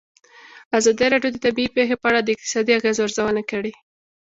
ازادي راډیو د طبیعي پېښې په اړه د اقتصادي اغېزو ارزونه کړې.